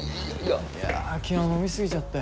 いや昨日飲み過ぎちゃって。